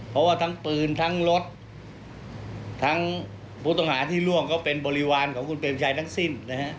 เพราะว่าทั้งปืนทั้งรถทั้งผู้ต้องหาที่ล่วงก็เป็นบริวารของคุณเปรมชัยทั้งสิ้นนะฮะ